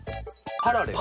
パラレル。